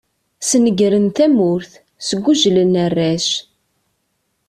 Snegren tamurt, sguǧlen arrac.